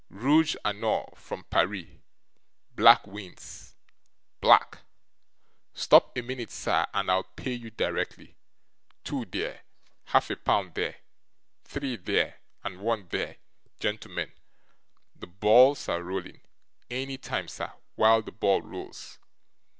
Rooge a nore from Paris black wins black stop a minute, sir, and I'll pay you, directly two there, half a pound there, three there and one there gentlemen, the ball's a rolling any time, sir, while the ball rolls!